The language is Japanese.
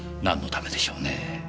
なんのためでしょうねぇ。